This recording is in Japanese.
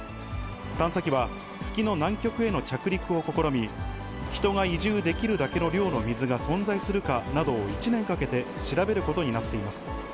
探査機は月の南極への着陸を試み、人が移住できるだけの量の水が存在するかなどを１年かけて調べることになっています。